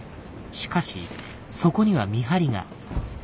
しかしそこには見張りが。